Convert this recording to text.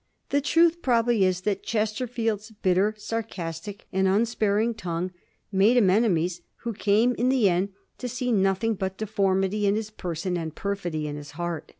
The truth probably is that Ches terfield's bitter, sarcastic, and unsparing tongue made him enemies, who came in the end to see nothing but deformi ty in his person and perfidy in his heart.